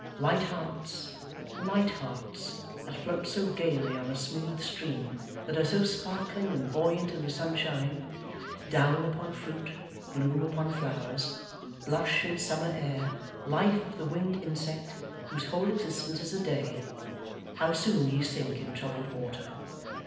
Light hearts, light hearts, that float so gaily on a smooth stream, that are so sparkling and buoyant in the sunshine down upon fruit, bloom upon flowers, blush in summer air, life of the winged insect, whose whole existence is a day how soon ye sink in troubled water!